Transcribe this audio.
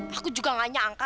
aku juga tidak sangka